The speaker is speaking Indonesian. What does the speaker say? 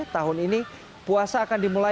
tahun ini puasa akan dimulai